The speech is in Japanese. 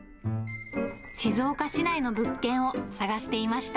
静岡市内の物件を探していました。